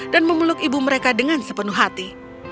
memeluk ibu mereka dengan sepenuh hati